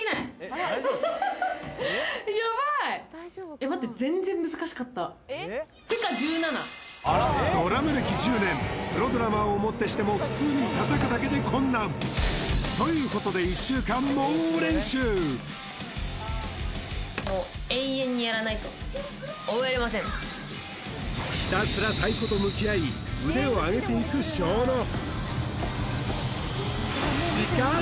えっ待って全然難しかったドラム歴１０年プロドラマーをもってしても普通に叩くだけで困難ということでひたすら太鼓と向き合い腕を上げていくＳＨＯＮＯ